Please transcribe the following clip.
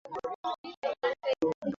Tafadhali jaribu kunipunguza bei!